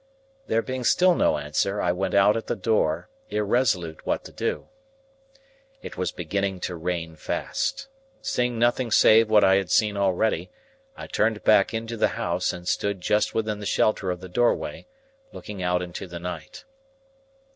There being still no answer, I went out at the door, irresolute what to do. It was beginning to rain fast. Seeing nothing save what I had seen already, I turned back into the house, and stood just within the shelter of the doorway, looking out into the night.